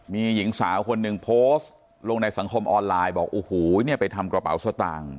มีหญิงสาวคนหนึ่งโพสต์ลงในสังคมออนไลน์บอกโอ้โหเนี่ยไปทำกระเป๋าสตางค์